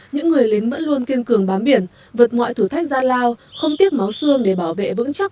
những người lính vẫn luôn kiên cường bám biển vượt ngoại thử thách gian lao không tiếc máu xương để bảo vệ vững chắc